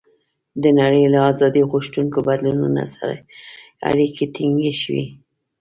د نړۍ له آزادۍ غوښتونکو بدلونونو سره اړیکې ټینګې شوې.